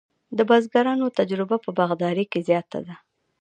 د بزګرانو تجربه په باغدارۍ کې زیاته ده.